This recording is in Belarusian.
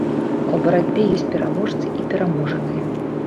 А ў барацьбе ёсць пераможцы і пераможаныя.